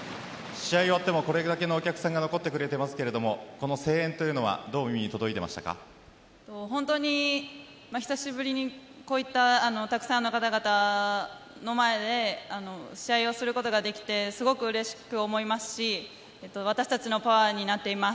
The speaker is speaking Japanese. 試合が終わってもこれだけのお客さんが残ってくれていますがこの声援というのは久しぶりにこういったたくさんの方々の前で試合をすることができてすごくうれしく思いますし私たちのパワーになっています。